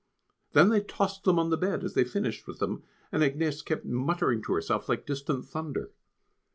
Then they tossed them on to the bed as they finished with them, and Agnès kept muttering to herself like distant thunder.